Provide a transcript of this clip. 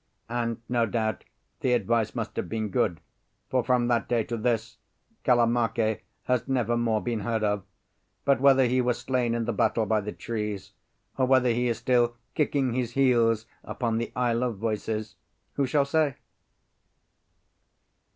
And no doubt the advice must have been good, for from that day to this, Kalamake has never more been heard of. But whether he was slain in the battle by the trees, or whether he is still kicking his heels upon the Isle of Voices, who shall say?